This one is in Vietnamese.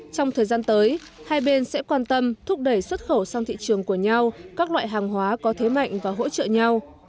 trong thời gian tới hai bên sẽ quan tâm thúc đẩy xuất khẩu sang thị trường của nhau các loại hàng hóa có thế mạnh và hỗ trợ nhau